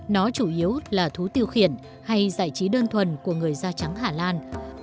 nó chủ yếu là thú tiêu khiển hay giải trí đơn thuần của người da trắng hà lan